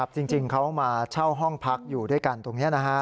จริงเขามาเช่าห้องพักอยู่ด้วยกันตรงนี้